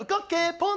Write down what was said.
ポン！